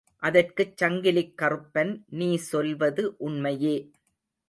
அதற்குச் சங்கிலிக் கறுப்பன் நீ சொல்வது உண்மையே.